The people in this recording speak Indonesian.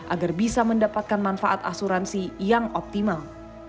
agar bisa mendapatkan manfaat asuransi yang optimal